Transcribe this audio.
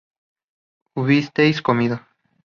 ¿hubisteis comido?